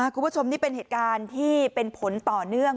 คุณผู้ชมนี่เป็นเหตุการณ์ที่เป็นผลต่อเนื่อง